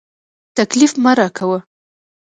تکليف مه راکوه.